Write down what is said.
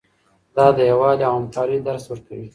دا د یووالي او همکارۍ درس ورکوي.